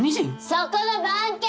そこの番犬！